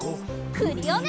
クリオネ！